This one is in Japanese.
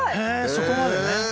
そこまでね。